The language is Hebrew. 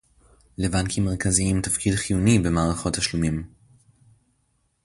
לבנקים מרכזיים תפקיד חיוני במערכות תשלומים